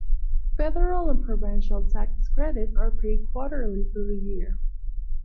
Federal and provincial tax credits are paid quarterly through the year.